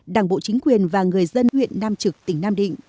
đảng bộ chính quyền và người dân huyện nam trực tỉnh nam định